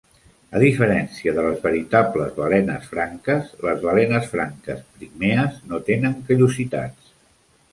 A diferència de les veritables balenes franques, les balenes franques pigmees no tenen callositats.